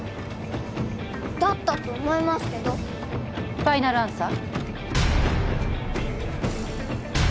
だったと思いますけどファイナルアンサー？